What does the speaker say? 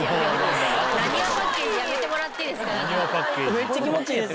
めっちゃ気持ちいいです。